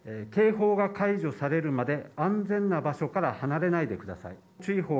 警報が解除されるまで、安全な場所から離れないでください。